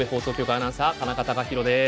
アナウンサー田中崇裕です。